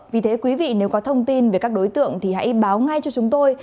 vì thế quý vị nếu có thông tin về các đối tượng thì hãy báo ngay cho chúng tôi